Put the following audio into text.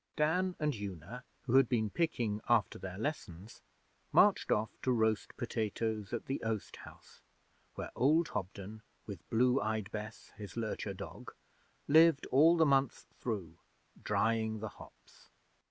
Dan and Una, who had been picking after their lessons, marched off to roast potatoes at the oast house, where old Hobden, with Blue eyed Bess, his lurcher dog, lived all the month through, drying the hops.